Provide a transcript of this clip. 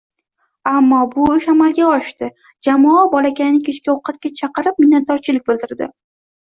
Ammo bu ish amalga oshdi, jamoa bolakayni kechki ovqatga chaqirib, minnatdorchilik bildirdi.